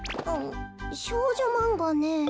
少女マンガねえ。